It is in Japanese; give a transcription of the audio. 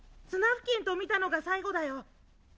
スナフキンと見たのが最後だよ。